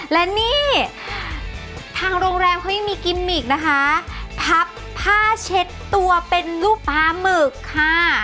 และนี่ทางโรงแรมเขายังมีกิมมิกนะคะพับผ้าเช็ดตัวเป็นลูกปลาหมึกค่ะ